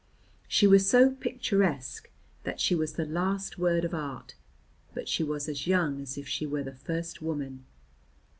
She was so picturesque that she was the last word of art, but she was as young as if she were the first woman.